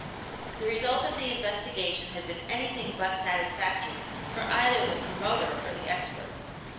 The result of the investigation had been anything but satisfactory for either the promoter or the expert.